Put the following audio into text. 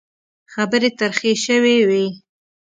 خبرې ترخې شوې وې.